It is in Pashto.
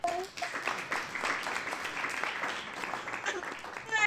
انګلیسي د ژوند د هدف ترلاسه کولو وسیله ده